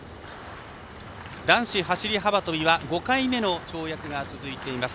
男子走り幅跳びは５回目の跳躍が続いています。